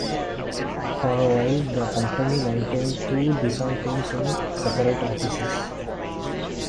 For a while the company maintained two design teams in separate offices.